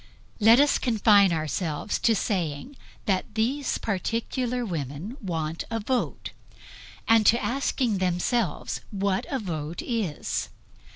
Let us confine ourselves to saying that these particular women want a vote and to asking themselves what a vote is.